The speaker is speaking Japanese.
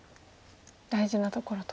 大事なところと。